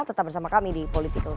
tetap bersama kami di politikal show